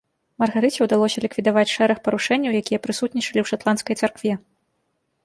Маргарыце ўдалося ліквідаваць шэраг парушэнняў, якія прысутнічалі ў шатландскай царкве.